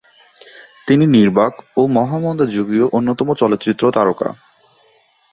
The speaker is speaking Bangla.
তিনি নির্বাক ও মহামন্দা-যুগীয় অন্যতম চলচ্চিত্র তারকা।